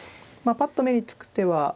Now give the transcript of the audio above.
まあパッと目につく手は。